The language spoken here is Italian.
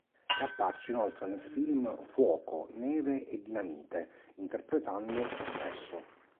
È apparso inoltre nel film "Fuoco, neve e dinamite" interpretando sé stesso.